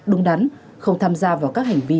đúng đắn không tham gia vào các hành vi